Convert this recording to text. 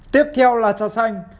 tiếp theo là trà xanh